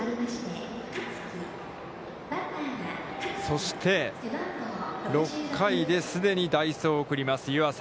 そして６回で既に代走を送ります、湯浅。